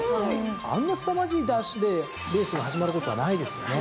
あんなすさまじいダッシュでレースが始まることはないですよね。